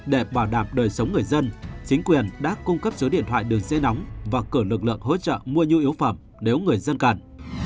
để bảo đảm đời sống người dân chính quyền đã cung cấp số điện thoại đường dây nóng và cử lực lượng hỗ trợ mua nhu yếu phẩm nếu người dân cần